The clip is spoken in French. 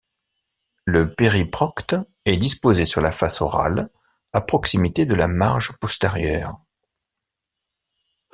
Le périprocte est disposé sur la face orale, à proximité de la marge postérieure.